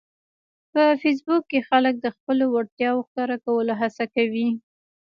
په فېسبوک کې خلک د خپلو وړتیاوو ښکاره کولو هڅه کوي